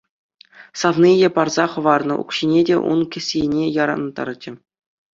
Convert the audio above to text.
Савнийӗ парса хӑварнӑ укҫине те ун кӗсйине ярӑнтарчӗ.